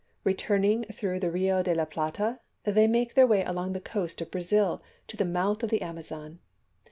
Returning through the Rio de la Plata, they make their way along the coast of Brazil to the mouth of the Ama zon.